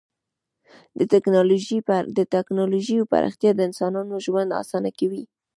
د ټکنالوژۍ پراختیا د انسانانو ژوند اسانه کوي.